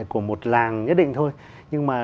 của một làng nhất định thôi nhưng mà